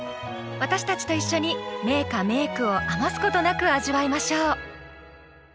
私たちと一緒に名歌・名句を余すことなく味わいましょう。